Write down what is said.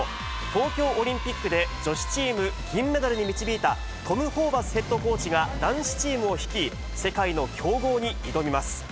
東京オリンピックで女子チーム銀メダルに導いたトム・ホーバスヘッドコーチが男子チームを率い、世界の強豪に挑みます。